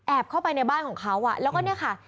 เข้าไปในบ้านของเขาแล้วก็เนี่ยค่ะ